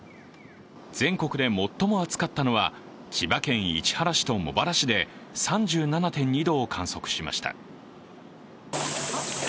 全国で最も暑かったのは、千葉県市原市と茂原市で３７．２度を観測しました。